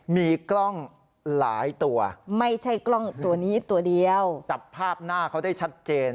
มีกล้องหลายตัวไม่ใช่กล้องตัวนี้ตัวเดียวจับภาพหน้าเขาได้ชัดเจน